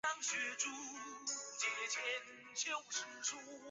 县莅位于东兴市镇。